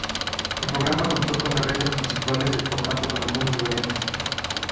El programa contó con las reglas principales del formato, con algunas variantes.